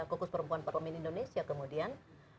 kokus perempuan parlimen indonesia kemudian